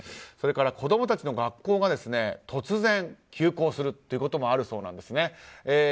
それから子供たちの学校が突然、休校することもあるそうなんですね。